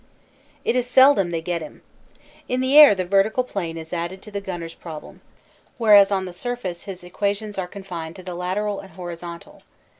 It is seldom they get him. In the air the vertical plane is added to the gunner s problem, whereas on the surface his equations are confined to the lateral and horizontal.